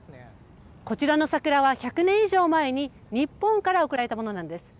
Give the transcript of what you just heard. こちらの桜は１００年以上前に日本から贈られたものなんです。